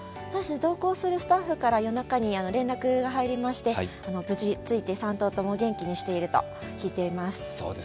同行するスタッフから夜中に連絡が入りまして、無事着いて３頭とも元気にしていると聞いています。